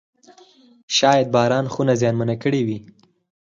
شاید باران خونه زیانمنه کړې وي.